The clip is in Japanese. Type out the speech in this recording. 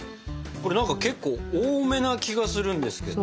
これ何か結構多めな気がするんですけど。